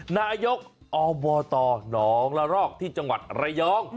นายกอบตหนองละรอกที่จังหวัดระยอง